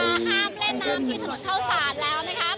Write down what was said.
ห้ามเล่นน้ำที่ถนนเข้าศาลแล้วนะครับ